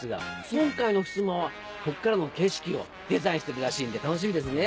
今回のふすまはここからの景色をデザインしてるらしいんで楽しみですね。